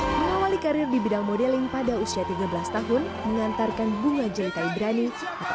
hai mengawali karir di bidang modeling pada usia tiga belas tahun mengantarkan bunga jelitai berani atau